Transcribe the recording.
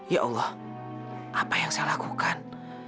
ya allah apa yang saya lakukan